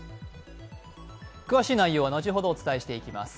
詳しい内容は後ほどお伝えしていきます。